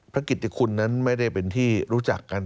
กิจติคุณนั้นไม่ได้เป็นที่รู้จักกัน